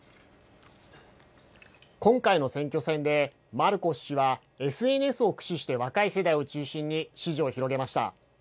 今回の選挙戦で、マルコス氏はＳＮＳを駆使して若い世代を中心に支持を広げました。